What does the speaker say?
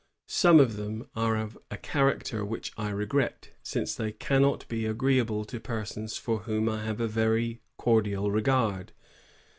Some of them are of a character which I regret, since they cannot be agreeable to persons for whom I have a very cordial regard.